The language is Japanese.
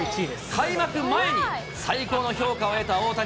開幕前に最高の評価を得た大谷。